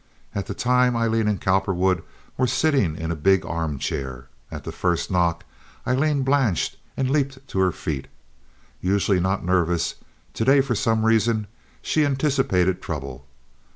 At the time Aileen and Cowperwood were sitting in a big arm chair. At the first knock Aileen blanched and leaped to her feet. Usually not nervous, to day, for some reason, she anticipated trouble.